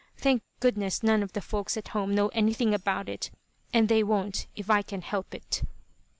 Thank goodness none of the folks at home know anything about it, and they won't if I can help it."